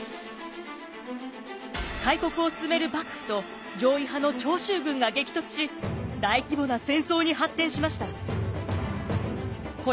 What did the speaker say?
開国を進める幕府と攘夷派の長州軍が激突し大規模な戦争に発展しました。